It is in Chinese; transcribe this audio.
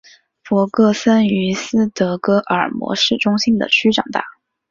弗格森于斯德哥尔摩市中心的区长大。